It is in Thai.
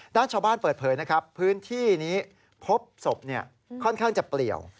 ด้านชาวบ้านเปิดเผยนะครับพื้นที่นี้พบศพค่อนข้างจะเปลี่ยว